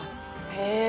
へえ！